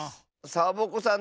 サボ子さん